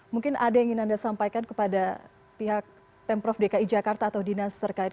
mungkin ada yang ingin anda sampaikan kepada pihak pemprov dki jakarta atau dinas terkait